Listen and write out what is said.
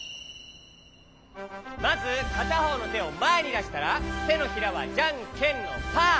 まずかたほうのてをまえにだしたらてのひらはジャンケンのパー。